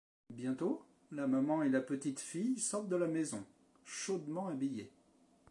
Bientôt, la maman et la petite fille sortent de la maison, chaudement habillées.